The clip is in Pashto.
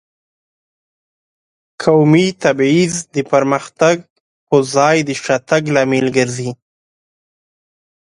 قومي تبعیض د پرمختګ په ځای د شاتګ لامل ګرځي.